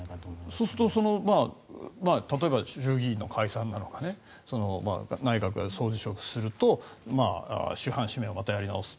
そうすると例えば衆議院の解散とか内閣が総辞職すると首班指名をまたやり直す。